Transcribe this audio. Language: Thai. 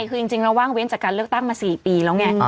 คือจริงเราว่างเว้นจากการเลือกตั้งมา๔ปีแล้วไง